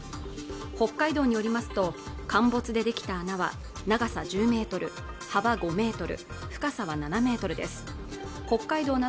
北海道によりますと陥没で出来た穴は長さ１０メートル幅５メートル